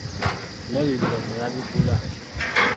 N’ebibira ne baabigula.